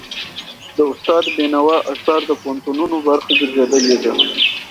د استاد بينوا آثار د پوهنتونونو برخه ګرځېدلي دي.